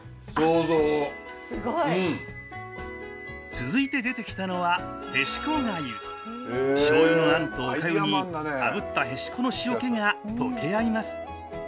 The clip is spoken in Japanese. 続いて出てきたのはしょうゆのあんとおかゆにあぶったへしこの塩気が溶け合います。